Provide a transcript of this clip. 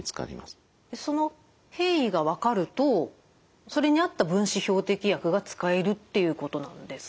その変異が分かるとそれに合った分子標的薬が使えるっていうことなんですか？